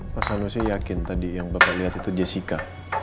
pak sanusi yakin tadi yang bapak lihat itu jessica